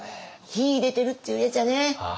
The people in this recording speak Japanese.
秀でてるっていうやっちゃね。